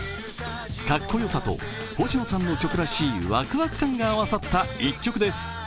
かっこよさと星野さんの曲らしいワクワク感が加わった１曲です。